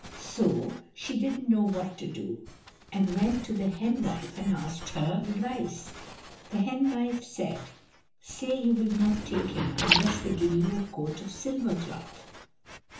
So she didn't know what to do, and went to the henwife and asked her advice. The henwife said, "Say you will not take him unless they give you a coat of silver cloth."